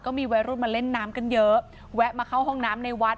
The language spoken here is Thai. มีวัยรุ่นมาเล่นน้ำกันเยอะแวะมาเข้าห้องน้ำในวัด